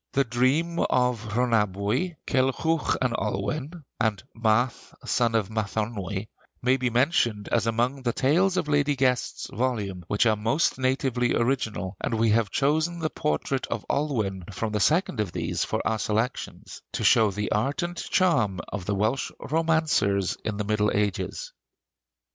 'The Dream of Rhonabwy,' 'Kilhwch and Olwen,' and 'Math, Son of Mathonwy,' may be mentioned as among the tales in Lady Guest's volume which are most natively original; and we have chosen the portrait of Olwen from the second of these for our selections, to show the art and charm of the Welsh romancers in the Middle Ages.